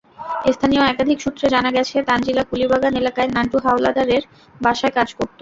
স্থানীয় একাধিক সূত্রে জানা গেছে, তানজিলা কুলিবাগান এলাকায় নান্টু হাওলাদারের বাসায় কাজ করত।